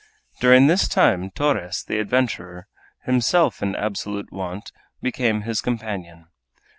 During this time Torres, the adventurer, himself in absolute want, became his companion.